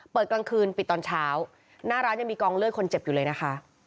กลางคืนปิดตอนเช้าหน้าร้านยังมีกองเลือดคนเจ็บอยู่เลยนะคะ